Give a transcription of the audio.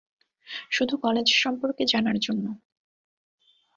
শুধু কলেজ সম্পর্কে জানার জন্য।